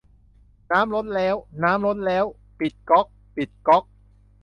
น้ำล้นแล้ว น้ำล้นแล้ว ปิดก๊อก ปิดก๊อก